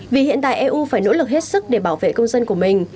vì hiện tại eu phải nỗ lực hết sức để bảo vệ công dân của mình